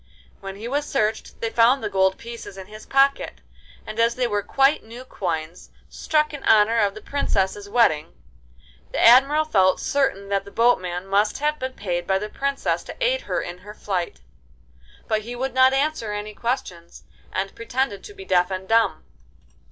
When he was searched they found the gold pieces in his pocket, and as they were quite new coins, struck in honour of the Princess's wedding, the Admiral felt certain that the boatman must have been paid by the Princess to aid her in her flight. But he would not answer any questions, and pretended to be deaf and dumb.